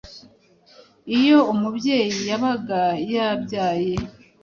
Iyo umubyeyi yabaga yabyaye,